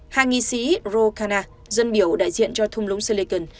hai nghị sĩ ro khanna dân biểu đại diện cho thung lũng silicon